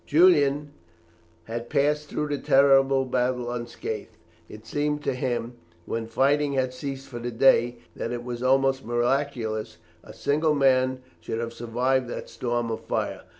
Julian had passed through the terrible battle unscathed. It seemed to him, when fighting had ceased for the day, that it was almost miraculous a single man should have survived that storm of fire.